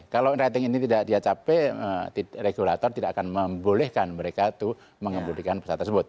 kalau rating ini tidak dia capai regulator tidak akan membolehkan mereka itu mengembudikan pesawat tersebut